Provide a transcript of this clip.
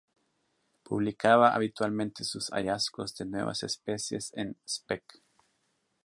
Publicaba habitualmente sus hallazgos de nuevas especies en: "Spec.